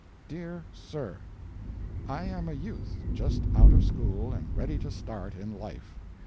DEAR SIR: I am a youth, just out of school and ready to start in life.